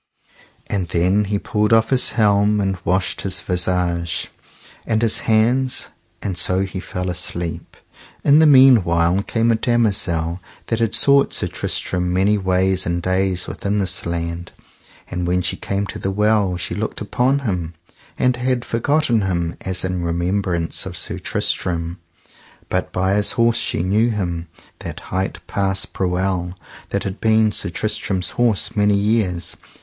And then he pulled off his helm and washed his visage and his hands, and so he fell asleep. In the meanwhile came a damosel that had sought Sir Tristram many ways and days within this land. And when she came to the well she looked upon him, and had forgotten him as in remembrance of Sir Tristram, but by his horse she knew him, that hight Passe Brewel that had been Sir Tristram's horse many years.